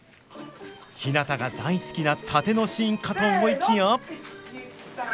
ひなたが大好きな殺陣のシーンかと思いきや。